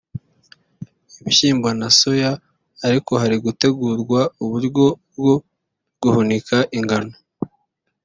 ibishyimbo na soya ariko hari gutegurwa uburyo bwo guhunika ingano